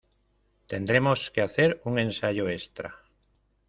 Tendremos que hacer un ensayo extra.